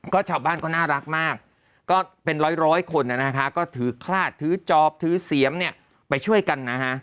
ก็ชาวบ้านก็น่ารักมากก็เป็นร้อยคนนะคะก็ถือคลาดถือจอบถือเสียมเนี่ยไปช่วยกันนะฮะ